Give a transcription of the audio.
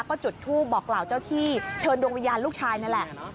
ก็จุดทูปบอกกล่าวเจ้าที่เชิญดวงวิญญาณลูกชายนั่นแหละ